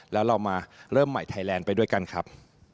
แล้วเรามาเริ่มใหม่ไทยแลนด์ไปด้วยกันครับ